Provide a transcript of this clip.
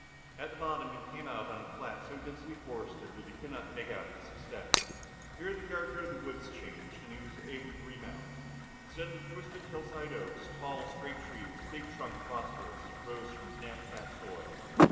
At the bottom he came out on a flat, so densely forested that he could not make out its extent. Here the character of the woods changed, and he was able to remount. Instead of the twisted hillside oaks, tall straight trees, big trunked and prosperous, rose from the damp fat soil.